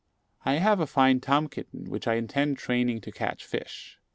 I have a fine tom kitten which I intend training to catch fish.